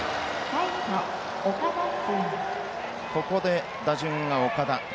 ここで打順が岡田。